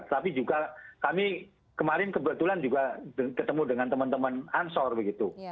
tapi juga kami kemarin kebetulan juga ketemu dengan teman teman ansor begitu